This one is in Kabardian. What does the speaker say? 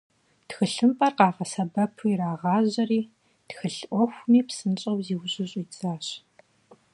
Тхылъымпӏэр къагъэсэбэпу ирагъажьэри, тхылъ ӏуэхуми псынщӏэу зиужьу щӏидзащ.